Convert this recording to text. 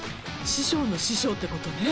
師匠の師匠ってことね。